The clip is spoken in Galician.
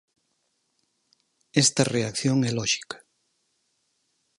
Esta reacción é lóxica.